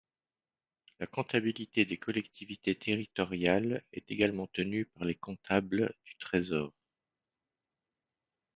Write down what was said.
La comptabilité des collectivités territoriales est également tenue par les comptables du Trésor.